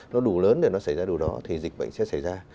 nó đủ lớn để nó xảy ra điều đó thì dịch bệnh sẽ xảy ra